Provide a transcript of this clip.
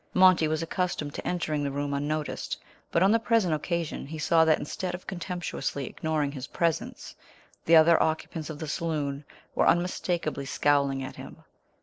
Monty was accustomed to entering the room unnoticed, but on the present occasion he saw that instead of contemptuously ignoring his presence, the other occupants of the saloon were unmistakably scowling at him.